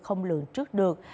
không lường trước được